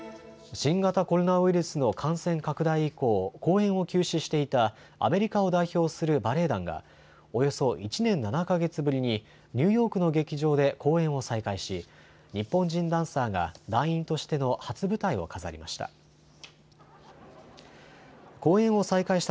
新型コロナウイルスの感染拡大以降、公演を休止していたアメリカを代表するバレエ団がおよそ１年７か月ぶりにニューヨークの劇場で公演を再開し日本人ダンサーが団員としての初舞台を飾りました。